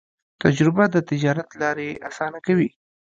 تجربه د تجارت لارې اسانه کوي.